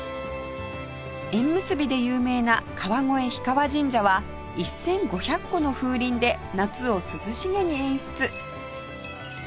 縁結びで有名な川越氷川神社は１５００個の風鈴で夏を涼しげに演出